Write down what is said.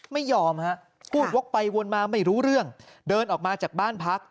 ไม่ยอมฮะพูดวกไปวนมาไม่รู้เรื่องเดินออกมาจากบ้านพัก